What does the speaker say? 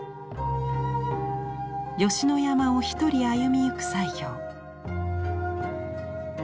吉野山を一人歩みゆく西行。